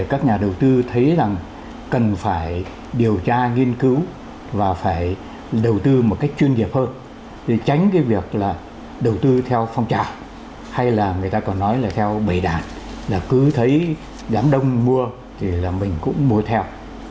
các nhà đầu tư thấy rằng cần phải điều tra nghiên cứu và phải đầu tư một cách chuyên nghiệp hơn để tránh cái việc là đầu tư theo phong trào hay là người ta còn nói là theo bảy đảng là cứ thấy đám đông mua thì là mình cũng mua theo